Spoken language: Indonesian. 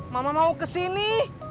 mama mau kesini